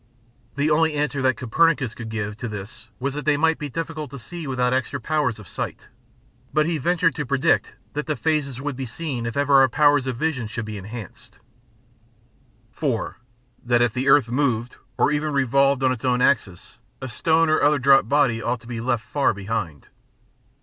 The only answer that Copernicus could give to this was that they might be difficult to see without extra powers of sight, but he ventured to predict that the phases would be seen if ever our powers of vision should be enhanced. 4. That if the earth moved, or even revolved on its own axis, a stone or other dropped body ought to be left far behind.